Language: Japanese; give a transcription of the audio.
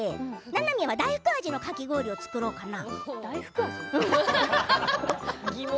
ななみは大福味のかき氷作ろうかな？